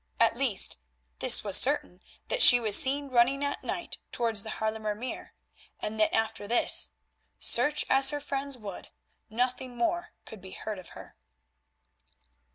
At least, this was certain, that she was seen running at night towards the Haarlemer Meer, and that after this, search as her friends would, nothing more could be heard of her.